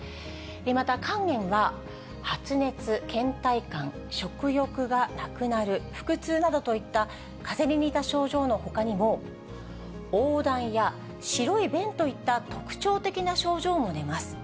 また、肝炎は発熱、けん怠感、食欲がなくなる、腹痛などといった、かぜに似た症状のほかにも、おうだんや白い便といった特徴的な症状も出ます。